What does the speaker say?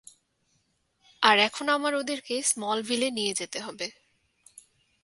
আর এখন আমার ওদেরকে স্মলভিলে নিয়ে যেতে হবে।